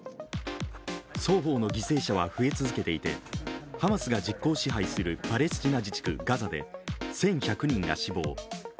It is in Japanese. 双方の犠牲者は増え続けていてハマスが実効支配するパレスチナ自治区ガザで１１００人が死亡。